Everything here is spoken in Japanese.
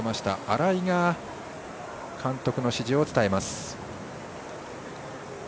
新井が監督の指示を伝えます。